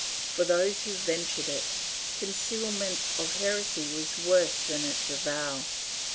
For those who ventured it, concealment of heresy was worse than its avowal.